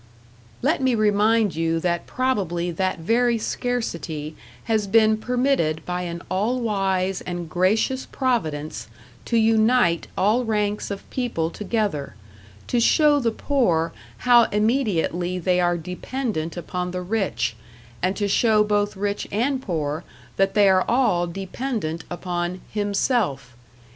Let me remind you that probably that very scarcity has been permitted by an all wise and gracious Providence to unite all ranks of people together, to show the poor how immediately they are dependent upon the rich, and to show both rich and poor that they are all dependent upon Himself.